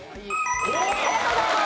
ありがとうございます！